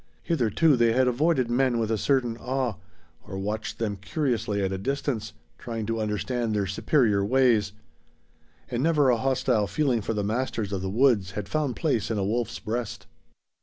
Hitherto they had avoided men with a certain awe, or watched them curiously at a distance, trying to understand their superior ways; and never a hostile feeling for the masters of the woods had found place in a wolf's breast.